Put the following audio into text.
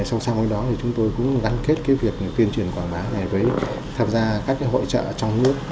sau đó chúng tôi cũng gắn kết việc tuyên truyền quảng bá này với tham gia các hội trợ trong nước